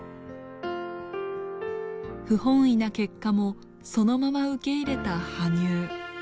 不本意な結果もそのまま受け入れた羽生。